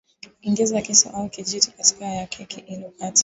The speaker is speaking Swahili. Ingiza kisu au kijiti katikati ya keki ili